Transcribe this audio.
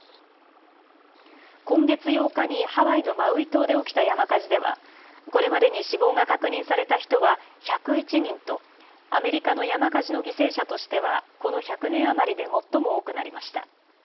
今月８日にハワイのマウイ島で起きた山火事ではこれまでに死亡が確認された人は１０１人とアメリカの山火事の犠牲者としてはこの１００年余りで最も多くなりました。